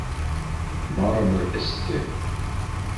Барыбер эсте.